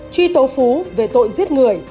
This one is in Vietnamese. truy tố phú về tội giết người